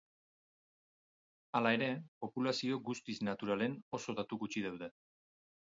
Hala ere, populazio guztiz naturalen oso datu gutxi daude.